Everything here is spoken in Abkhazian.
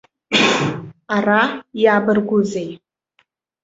Ара иабаргәызеи!